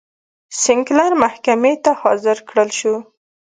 سینکلر محکمې ته حاضر کړل شو.